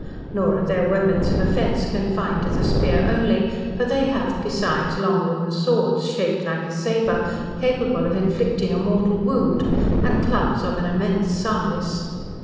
Nor are their weapons of offence confined to the spear only, for they have besides long wooden swords, shaped like a sabre, capable of inflicting a mortal wound, and clubs of an immense size.